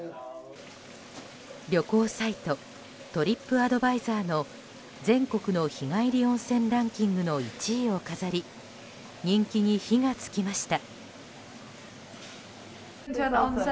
旅行サイトトリップアドバイザーの全国の日帰り温泉ランキングの１位を飾り人気に火が付きました。